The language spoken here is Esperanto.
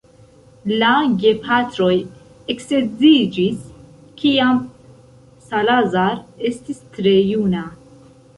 La gepatroj eksedziĝis kiam Salazar estis tre juna.